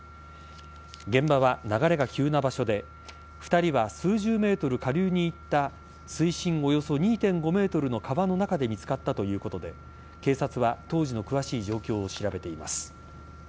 現場は流れが急な場所で２人は、数十ｍ下流に行った水深およそ２．５ｍの川の中で見つかったということで警察は当時の詳しい状況を調べています。